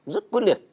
rất quyết liệt